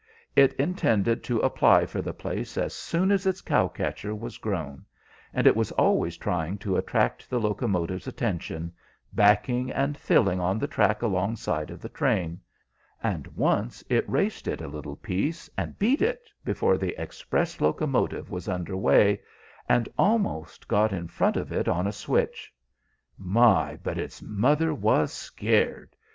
It intended to apply for the place as soon as its cow catcher was grown, and it was always trying to attract the locomotive's attention, backing and filling on the track alongside of the train; and once it raced it a little piece, and beat it, before the Express locomotive was under way, and almost got in front of it on a switch. My, but its mother was scared!